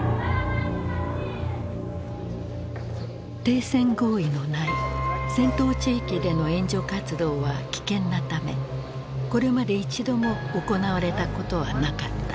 停戦合意のない戦闘地域での援助活動は危険なためこれまで一度も行われたことはなかった。